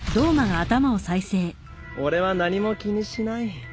俺は何も気にしない。